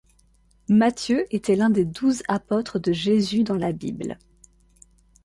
Matthieu était l'un des douze apôtres de Jésus dans la bible.